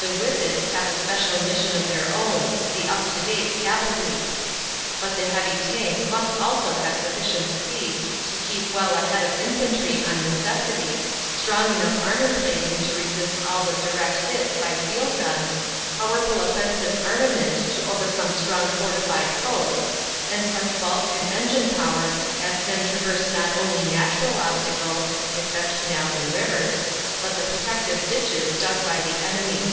The "whippets" have a special mission of their own, the up to date cavalry. But the heavy tank must also have sufficient speed to keep well ahead of infantry on necessity, strong enough armor plating to resist all but direct hits by field guns, powerful offensive armament to overcome strong fortified posts, and such bulk and engine power as can traverse not only natural obstacles (except canals and rivers) but the protective ditches dug by the enemy.